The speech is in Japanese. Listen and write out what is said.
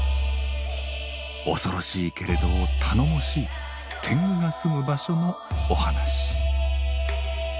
恐ろしいけれど頼もしい天狗が住む場所のお話。